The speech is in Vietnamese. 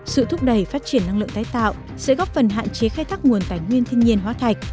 sự thúc đẩy phát triển năng lượng tái tạo sẽ góp phần hạn chế khai thác nguồn tài nguyên thiên nhiên hóa thạch